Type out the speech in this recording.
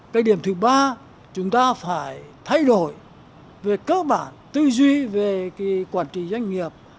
cái điểm thứ ba chúng ta phải thay đổi về cơ bản tư duy về cái quản trị doanh nghiệp